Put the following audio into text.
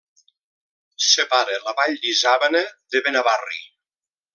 Separa la Vall de l'Isàvena de Benavarri.